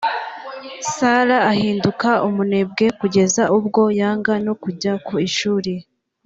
Sarah ahinduka umunebwe kugeza ubwo yanga no kujya ku Ishuri